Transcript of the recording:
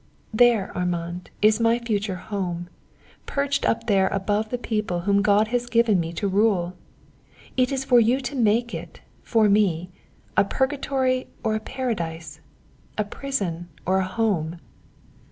"There, Armand, is my future home, perched up there above the people whom God has given me to rule. It is for you to make it, for me, a Purgatory or a Paradise a prison or a home."